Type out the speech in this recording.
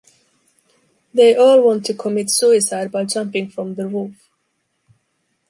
They all want to commit suicide by jumping from the roof.